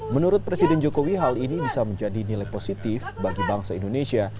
menurut presiden jokowi hal ini bisa menjadi nilai positif bagi bangsa indonesia